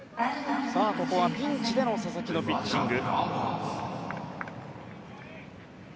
ピンチでの佐々木のピッチング。